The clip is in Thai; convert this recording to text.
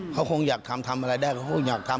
เขาคงอยากทำทำอะไรได้เขาคงอยากทำ